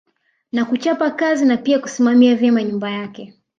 Na kuchapa kazi na pia kusimamia vyema nyumba yake